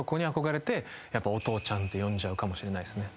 って呼んじゃうかもしれないですね。